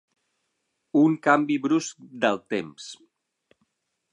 Un canvi brusc del temps.